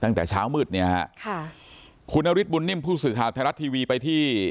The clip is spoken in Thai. ตั้งแต่เช้ามืดเนี่ยฮะค่ะคุณนฤทธบุญนิ่มผู้สื่อข่าวไทยรัฐทีวีไปที่